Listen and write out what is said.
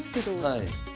はい。